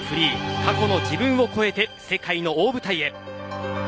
過去の自分を超えて世界の大舞台へ。